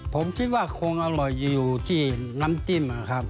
ผมคิดว่าคงอร่อยอยู่ที่น้ำจิ้มนะครับ